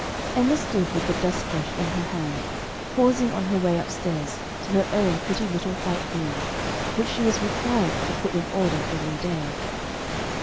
Emma stood with the dust brush in her hand, pausing on her way upstairs to her own pretty little white room, which she was required to put in order every day.